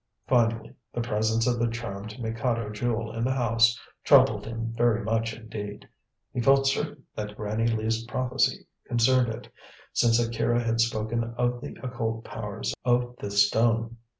Finally, the presence of the charmed Mikado Jewel in the house troubled him very much indeed. He felt certain that Granny Lee's prophecy concerned it, since Akira had spoken of the occult powers of the stone.